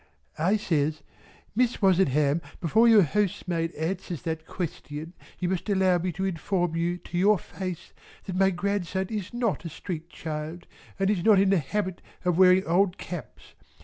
I says "Miss Wozenham before your housemaid answers that question you must allow me to inform you to your face that my grandson is not a street child and is not in the habit of wearing old caps.